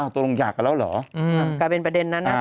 ถูกกับอย่างวะ๊ะถูกกับอย่างวะ